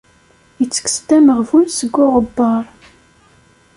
Ittekkes-d ameɣbun seg uɣebbar.